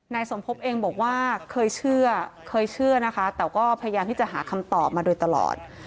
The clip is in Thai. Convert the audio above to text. นายสมภพเองบอกว่าเคยเชื่อเคยเชื่อนะคะแต่ก็พยายามที่จะหาคำตอบมาโดยตลอด